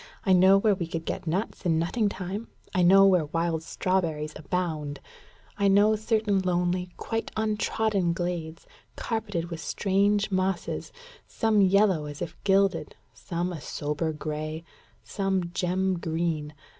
I know where we could get nuts in nutting time; I know where wild strawberries abound; I know certain lonely, quite untrodden glades, carpeted with strange mosses, some yellow as if gilded, some a sober gray, some gem green.